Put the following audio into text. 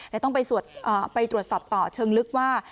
และต้องไปตรวจสอบต่อเชิงลึกว่า